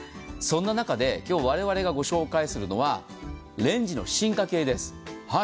そんな中で今日我々がご紹介するのは、レンジの進化形です。